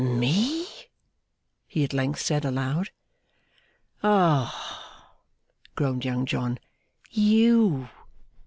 'Me!' he at length said aloud. 'Ah!' groaned Young John. 'You!